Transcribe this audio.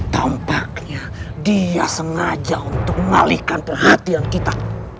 tampaknya dia sengaja untuk mengalihkan perhatian kita